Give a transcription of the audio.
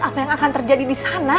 apa yang akan terjadi disana